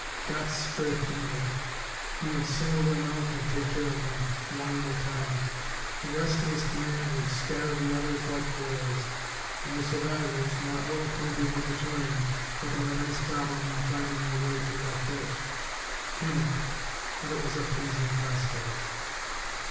Gott strafe England! He would single them out and take care of them, one at a time. The rest of his command would scatter the others like quails, and the survivors, not well acquainted with the terrain, would have a nice problem in finding their way to La Ferte. Himmel! but it was a pleasing prospect.